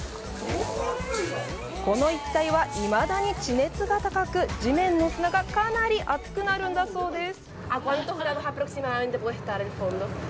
この一体は、いまだに地熱が高く地面の砂がかなり熱くなるんだそうです。